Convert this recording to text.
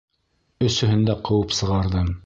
Өсөһөн дә ҡыуып сығарҙым.